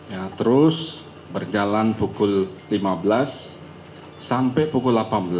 ya terus berjalan pukul lima belas sampai pukul delapan belas